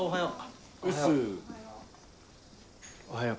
おはよう。